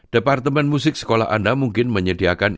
departemen musik sekolah anda mungkin menyediakan